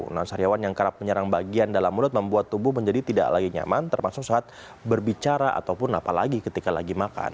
nah saryawan yang kerap menyerang bagian dalam mulut membuat tubuh menjadi tidak lagi nyaman termasuk saat berbicara ataupun apalagi ketika lagi makan